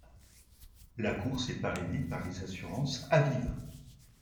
La course est parrainée par les assurances Aviva.